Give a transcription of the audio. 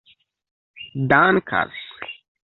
dankas